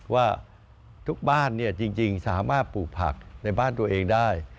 ว่าทุกบ้านจริงสามารถปลูกผักในบ้านตัวเองได้